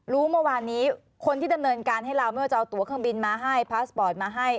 รู้เมื่อวานนี้คนที่ดำเนินการให้เราเมื่อจะเอาตัวเครื่องบินมาให้พาสปอร์ตมาให้